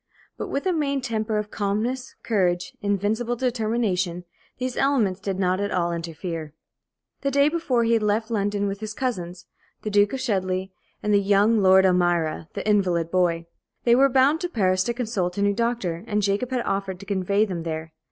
But with a main temper of calmness, courage, invincible determination, these elements did not at all interfere. The day before, he had left London with his cousins, the Duke of Chudleigh, and young Lord Elmira, the invalid boy. They were bound to Paris to consult a new doctor, and Jacob had offered to convey them there.